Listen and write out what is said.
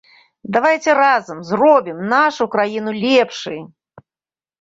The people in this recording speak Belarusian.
Давайце разам зробім нашу краіну лепшай!